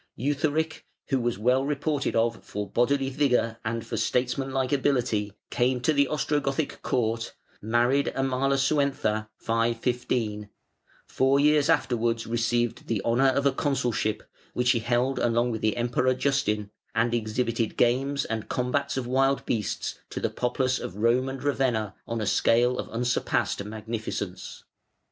Eutharic, who was well reported of for bodily vigour and for statesmanlike ability, came to the Ostrogothic court, married Amalasuentha (515), four years afterwards received the honour of a consulship, which he held along with the Emperor Justin, and exhibited games and combats of wild beasts to the populace of Rome and Ravenna on a scale of unsurpassed magnificence.